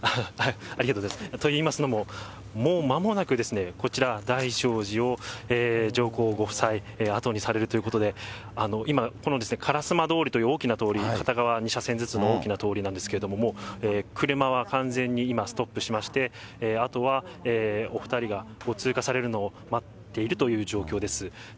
といいますのも、もうまもなくですね、こちら、大聖寺を上皇ご夫妻、後にされるということで、今、この烏丸通という大きな通り、片側２車線ずつの大きな通りなんですけども、車は完全に今、ストップして、あとはお２人が通過されるのを待っているという状況です。